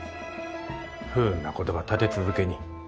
不運なことが立て続けに。